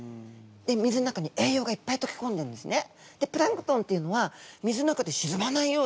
で水の中に栄養がいっぱいとけこんでるんですね。